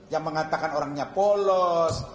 yang mengatakan orangnya polos